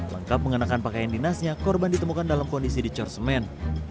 lengkap mengenakan pakaian dinasnya korban ditemukan dalam kondisi dicor semen